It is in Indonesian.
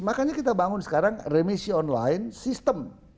makanya kita bangun sekarang remisi online sistem